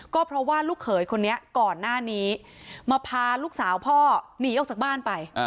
ก็เพราะว่าลูกเขยคนนี้ก่อนหน้านี้มาพาลูกสาวพ่อหนีออกจากบ้านไป